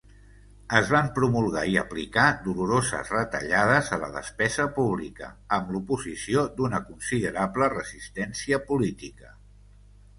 Es van promulgar i aplicar doloroses retallades a la despesa pública amb l'oposició d'una considerable resistència política.